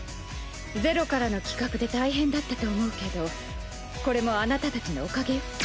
ゼロからの企画で大変だったと思うけどこれもあなたたちのおかげよ。